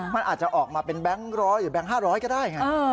มันอาจจะออกมาเป็นแบงค์๑๐๐หรือแก๊ง๕๐๐ก็ได้ไง